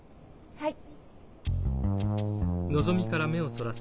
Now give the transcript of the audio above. はい。